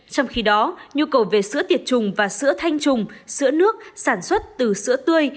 trong khi đó nhu cầu về sữa tiệt trùng và sữa thanh trùng sữa nước sản xuất từ sữa tươi